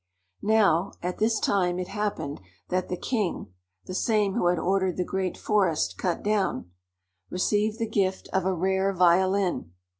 Now, at this time it happened that the king (the same who had ordered the great forest cut down) received the gift of a rare violin.